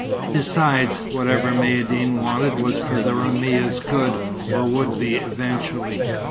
Besides, whatever Maïeddine wanted was for the Roumia's good, or would be eventually.